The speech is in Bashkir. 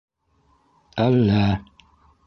— Әллә!